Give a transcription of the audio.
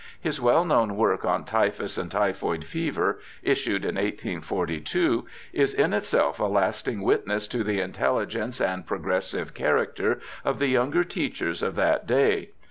His well known work on Typhus and Typhoid Fever, issued in 1842, is in itself a lasting witness to the intelligence and progressive character of the younger teachers of that day.